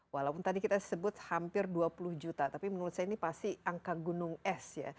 walaupun tadi kita sebut hampir dua puluh juta tapi menurut saya ini pasti angka gunung es ya